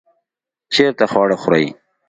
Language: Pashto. چیرته خواړه خورئ؟